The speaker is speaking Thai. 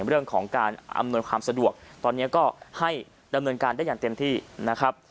เรื่องของการอำนวยความสะดวกตอนนี้ก็ให้ดำเนินการได้อย่างเต็มที่นะครับ